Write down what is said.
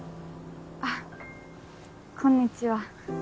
あっこんにちは。